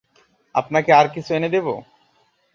আপনাকে আর কিছু এনে দেবো?